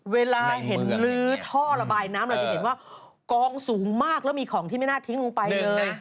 เวลาเห็นลื้อท่อระบายน้ำเราจะเห็นว่ากองสูงมากแล้วมีของที่ไม่น่าทิ้งลงไปเลย